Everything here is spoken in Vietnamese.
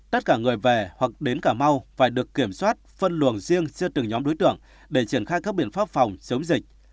tất cả người về hoặc đến cà mau phải được kiểm soát phân luồng riêng giữa từng nhóm đối tượng để triển khai các biện pháp phòng chống dịch